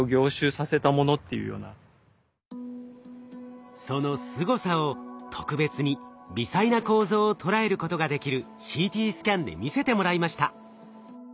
僕はこのそのすごさを特別に微細な構造を捉えることができるＣＴスキャンで見せてもらいました。